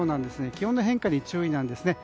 気温の変化に注意なんですね。